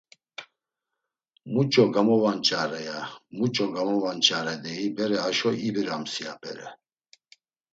Muç̌o gamovanç̌are, ya; muç̌o gamovanç̌are, deyi bere haşo obirams, ya bere.